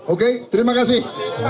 oke terima kasih